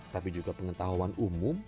tapi juga pengetahuan umum